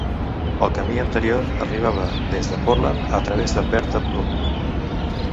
El camí anterior arribava des de Portland a través de Bertha Blvd